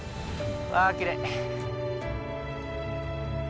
ああきれい。